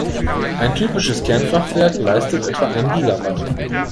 Ein typisches Kernkraftwerk leistet etwa ein Gigawatt.